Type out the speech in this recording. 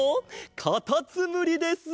かたつむりです！